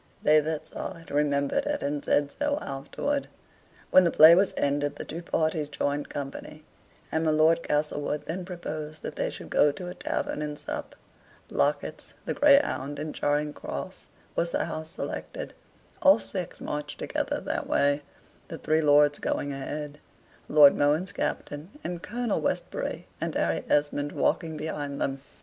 They that saw it remembered it, and said so afterward. When the play was ended the two parties joined company; and my Lord Castlewood then proposed that they should go to a tavern and sup. Lockit's, the "Greyhound," in Charing Cross, was the house selected. All six marched together that way; the three lords going a head, Lord Mohun's captain, and Colonel Westbury, and Harry Esmond, walking behind them.